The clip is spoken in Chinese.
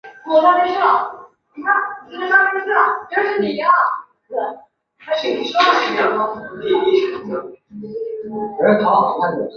雪水当量的估算对于融雪时可能的灾害预防以及雪水资源的运用都十分重要。